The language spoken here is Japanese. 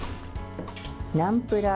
ナンプラー。